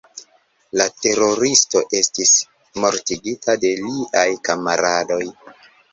La teroristo estis mortigita de liaj kamaradoj.